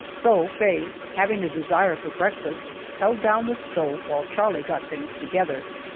So Faye having a desire for breakfast, held down the stove while Charlie got things together.